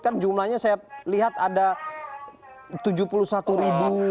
kan jumlahnya saya lihat ada tujuh puluh satu ribu